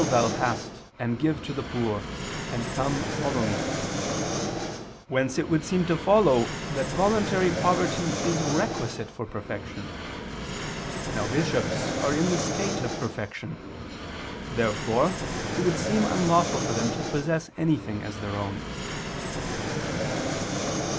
'what'] thou hast, and give to the poor ... and come, follow Me"; whence it would seem to follow that voluntary poverty is requisite for perfection. Now bishops are in the state of perfection. Therefore it would seem unlawful for them to possess anything as their own.